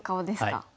はい。